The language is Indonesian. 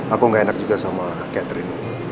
aku gak enak juga sama catherine